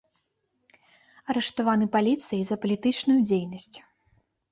Арыштаваны паліцыяй за палітычную дзейнасць.